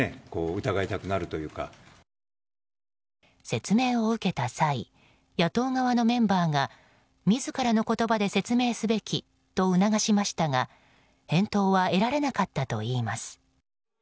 説明を受けた際野党側のメンバーが自らの言葉で説明すべきと促しましたが返答は得られなかったといいます。